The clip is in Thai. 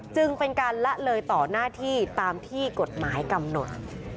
จึงเป็นการละเลยต่อหน้าที่ตามที่กฎหมายกำหนด